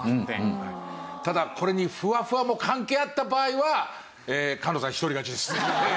ただこれにフワフワも関係あった場合は菅野さん１人勝ちです。